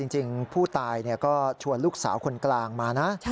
จริงผู้ตายก็ชวนลูกสาวคนกลางมานะ